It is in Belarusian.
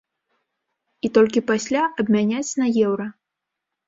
І толькі пасля абмяняць на еўра.